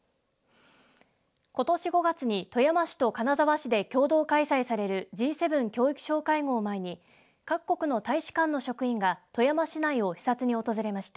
ことし５月に富山市と金沢市で共同開催されるＧ７教育相会合を前に各国の大使館の職員が富山市内を視察に訪れました。